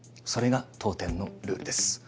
それが当店のルールです。